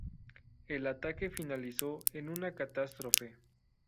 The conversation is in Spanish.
El ataque finalizó en una catástrofe.